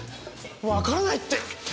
わからないって。